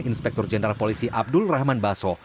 inspektur jenderal polisi abdul rahman baso